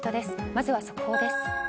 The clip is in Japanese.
まずは速報です。